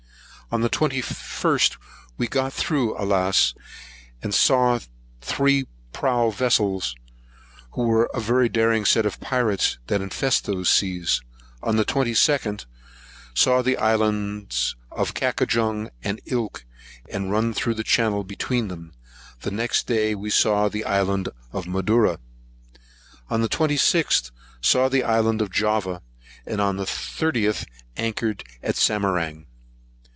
On the 21st, we got through Alice, and saw three prow vessels, who are a very daring set of pirates that infest those seas. On the 22nd, saw the islands of Kangajunk and Ulk, and run through the channel that is between them. Next day we saw the island of Madura. On the 26th, saw the island of Java; and on the 30th, anchored at Samarang.